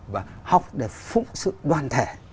và học để phục sự đoàn thể